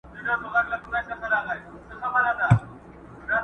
ګدایان پر خزانو سول جاهلان پر منبرونو.!